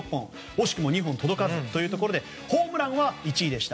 惜しくも２本届かずでホームランは１位でした。